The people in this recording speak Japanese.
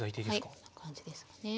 はいこんな感じですかね。